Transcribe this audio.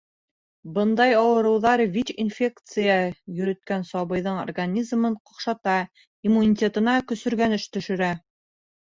Бындай ауырыуҙар ВИЧ-инфекция йөрөткән сабыйҙың организмын ҡаҡшата, иммунитетына көсөргәнеш төшөрә.